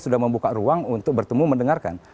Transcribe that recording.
sudah membuka ruang untuk bertemu mendengarkan